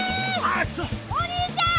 お兄ちゃん。